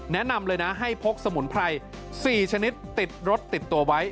แนะนำเลยนะให้พกสมุนไพร๔ชนิดติดรถติดตัวไว้